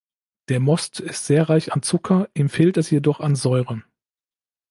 Der Most ist sehr reich an Zucker, ihm fehlt es jedoch an Säure.